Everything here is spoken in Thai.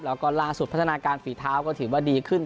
แล้วก็ล่าสุดพัฒนาการฝีเท้าก็ถือว่าดีขึ้น